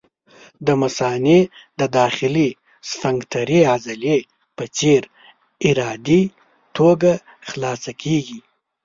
د مثانې د داخلي سفنکترې عضلې په غیر ارادي توګه خلاصه کېږي.